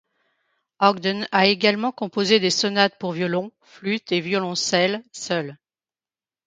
Ogdon a également composé des sonates pour violon, flûte et violoncelle seuls.